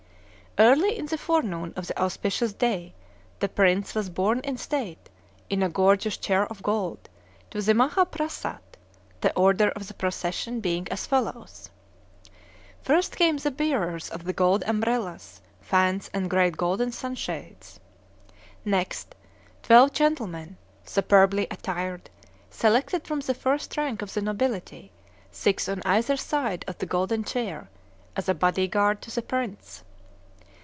Early in the forenoon of the auspicious day the prince was borne in state, in a gorgeous chair of gold, to the Maha Phrasat, the order of the procession being as follows: First came the bearers of the gold umbrellas, fans, and great golden sunshades. Next, twelve gentlemen, superbly attired, selected from the first rank of the nobility, six on either side of the golden chair, as a body guard to the prince.